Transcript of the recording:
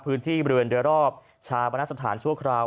พื้นที่บริเวณโดยรอบชาปนสถานชั่วคราว